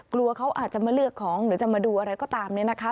กลัวเขาอาจจะมาเลือกของหรือจะมาดูอะไรก็ตามเนี่ยนะคะ